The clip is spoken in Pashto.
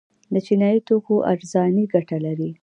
د چینایي توکو ارزاني ګټه لري؟